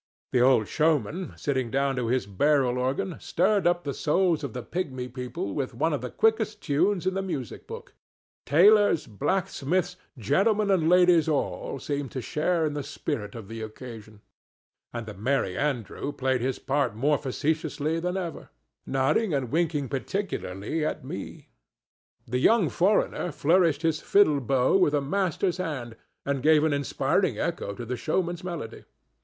The old showman, sitting down to his barrel organ, stirred up the souls of the pigmy people with one of the quickest tunes in the music book; tailors, blacksmiths, gentlemen and ladies all seemed to share in the spirit of the occasion, and the Merry Andrew played his part more facetiously than ever, nodding and winking particularly at me. The young foreigner flourished his fiddle bow with a master's hand, and gave an inspiring echo to the showman's melody.